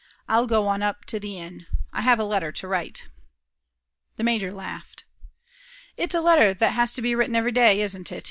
I'll go on up to the inn. I have a letter to write." The major laughed. "It's a letter that has to be written every day, isn't it?"